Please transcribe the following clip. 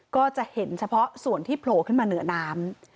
ก็จะเห็นเฉพาะส่วนที่โผล่ขึ้นมาเหนือน้ำ